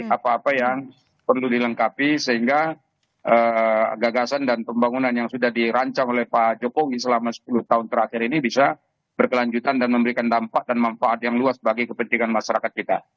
apa apa yang perlu dilengkapi sehingga gagasan dan pembangunan yang sudah dirancang oleh pak jokowi selama sepuluh tahun terakhir ini bisa berkelanjutan dan memberikan dampak dan manfaat yang luas bagi kepentingan masyarakat kita